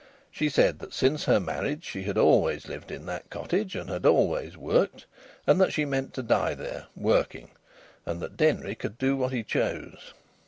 She said that since her marriage she had always lived in that cottage and had always worked, and that she meant to die there, working: and that Denry could do what he chose.